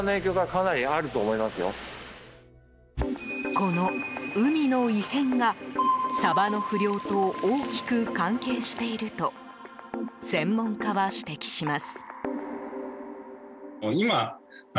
この海の異変が、サバの不漁と大きく関係していると専門家は指摘します。